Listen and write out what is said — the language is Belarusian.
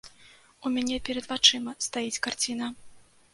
У мяне перад вачыма стаіць карціна.